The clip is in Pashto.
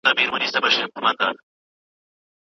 زه د پېړیو ګیله منو پرهارونو آواز